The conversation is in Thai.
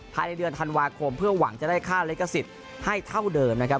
ภายในเดือนธันวาคมเพื่อหวังจะได้ค่าลิขสิทธิ์ให้เท่าเดิมนะครับ